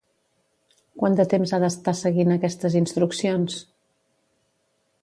Quant de temps ha d'estar seguint aquestes instruccions?